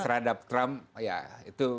terhadap trump ya itu